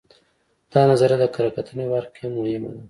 دا نظریه د کره کتنې په برخه کې هم مهمه ده